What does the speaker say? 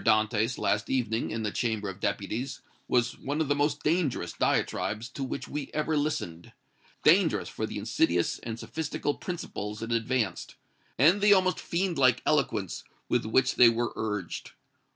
DANTÈS, last evening, in the Chamber of Deputies, was one of the most dangerous diatribes to which we ever listened dangerous for the insidious and sophistical principles it advanced, and the almost fiend like eloquence with which they were urged.